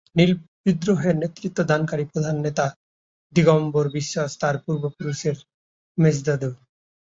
নীল বিদ্রোহের নেতৃত্ব দানকারী প্রধান নেতা দিগম্বর বিশ্বাস তার পূর্বপুরুষ, মেজদাদু।